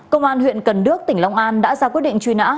công an huyện cần đước tỉnh long an đã ra quyết định truy nã